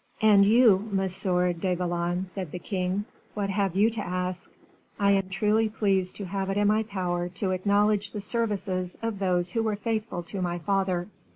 "And you, Monsieur du Vallon," said the king, "what have you to ask? I am truly pleased to have it in my power to acknowledge the services of those who were faithful to my father."